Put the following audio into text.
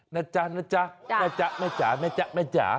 นะจ๊ะนะจ๊ะนะจ๊ะนะจ๊ะนะจ๊ะนะจ๊ะ